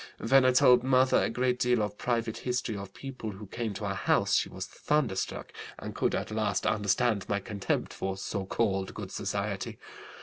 When I told my mother a great deal of private history of people who came to our house, she was thunderstruck and could at last understand my contempt for so called good society.